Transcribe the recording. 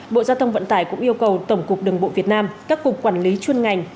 bộ giao thông vận tải cũng yêu cầu tổng cục đường bộ việt nam các cục quản lý chuyên ngành